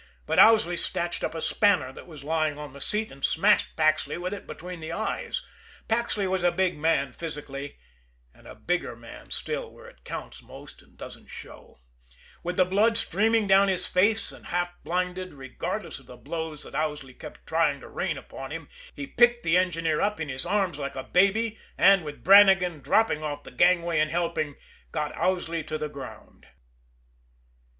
But Owsley snatched up a spanner that was lying on the seat, and smashed Paxley with it between the eyes. Paxley was a big man physically and a bigger man still where it counts most and doesn't show with the blood streaming down his face, and half blinded, regardless of the blows that Owsley still tried to rain upon him, he picked the engineer up in his arms like a baby, and with Brannigan, dropping off the gangway and helping, got Owsley to the ground.